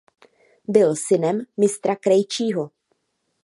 Byl synem mistra krejčího.